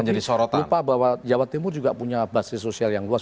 lupa bahwa jawa timur juga punya basis sosial yang luas